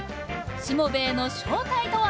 しもべえの正体とは？